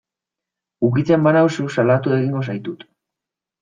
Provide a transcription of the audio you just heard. Ukitzen banauzu salatu egingo zaitut.